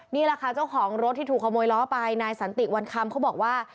นี่แหละค่ะเจ้าของรถที่ถูกขโมยล้อไปนายสันติวันคำเขาบอกว่า